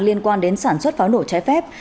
liên quan đến sản xuất pháo nổ trái phép